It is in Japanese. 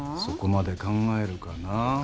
そこまで考えるかなぁ？